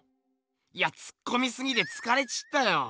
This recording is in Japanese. いやツッコミすぎてつかれちったよ。